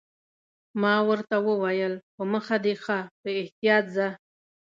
ما ورته وویل: په مخه دې ښه، په احتیاط ځه.